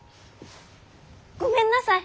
ごめんなさい！